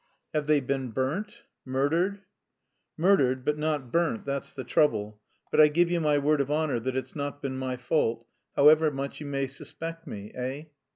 "Have they been burnt? murdered?" "Murdered but not burnt, that's the trouble, but I give you my word of honour that it's not been my fault, however much you may suspect me, eh?